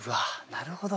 なるほど。